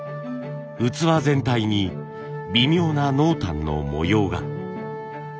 器全体に微妙な濃淡の模様が。